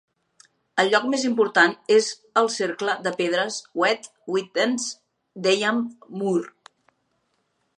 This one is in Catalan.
El lloc més important és el cercle de pedres Wet Withens d'Eyam Moor.